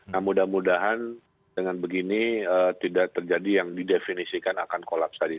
nah mudah mudahan dengan begini tidak terjadi yang didefinisikan akan kolaps tadi